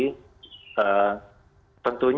jadi itu adalah hal yang sangat penting